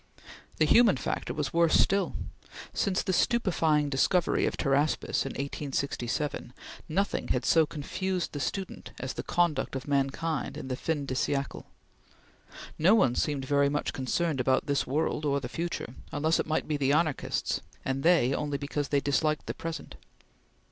The human factor was worse still. Since the stupefying discovery of Pteraspis in 1867, nothing had so confused the student as the conduct of mankind in the fin de siecle. No one seemed very much concerned about this world or the future, unless it might be the anarchists, and they only because they disliked the present.